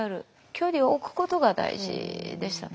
距離を置くことが大事でしたね。